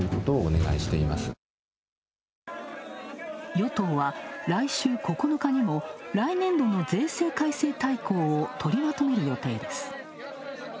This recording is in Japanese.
与党は来週９日にも来年度の税制改正大綱を取りまとめる予定です。